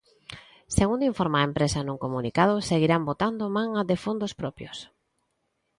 Segundo informa a empresa nun comunicado, seguirán botando man de fondos propios.